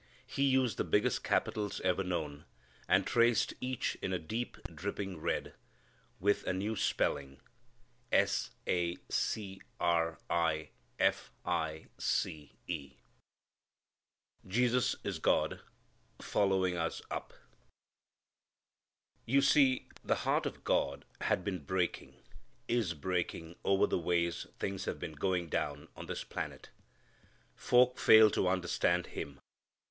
He used the biggest capitals ever known, and traced each in a deep dripping red, with a new spelling s a c r i f i c e. Jesus is God, following us up. You see, the heart of God had been breaking is breaking over the ways things have been going down on this planet. Folk fail to understand Him.